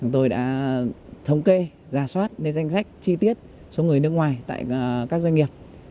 tôi đã thống kê ra soát danh sách chi tiết số người nước ngoài tại các doanh nghiệp